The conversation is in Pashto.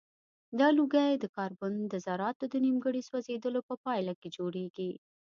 دا لوګی د کاربن د ذراتو د نیمګړي سوځیدلو په پایله کې جوړیږي.